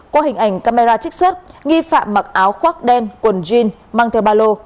qua hình ảnh camera trích xuất nghi phạm mặc áo khoác đen quần jean mang theo ba lô